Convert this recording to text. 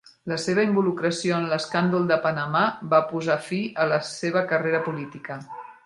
La seva involucració en l'escàndol de Panamà va posar fi a la seva carrera política.